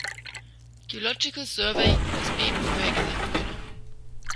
Geological Survey" das Beben vorhergesagt wurde.